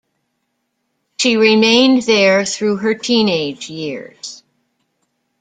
She remained there through her teenage years.